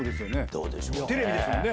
どうでしょうね？